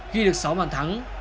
ghi được sáu bản thắng